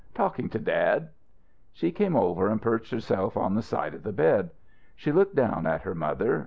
"Talking to dad." She came over and perched herself on the side of the bed. She looked down at her mother.